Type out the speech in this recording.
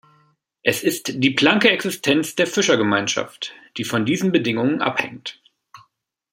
Es ist die blanke Existenz der Fischergemeinschaft, die von diesen Bedingungen abhängt.